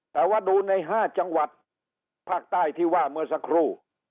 แต่ว่าดูใน๕จังหวัดภาคใต้ที่ว่าเมื่อสักครู่